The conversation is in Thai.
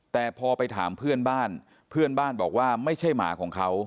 แต่พอไปถามเพื่อนบ้านเพื่อนบ้านบอกว่าไม่ใช่หมาของเขา